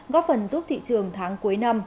góp phần giúp thị trường tháng cuối năm